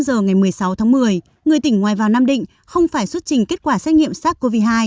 trường hợp vào tỉnh người tỉnh ngoài vào nam định không phải xuất trình kết quả xét nghiệm sars cov hai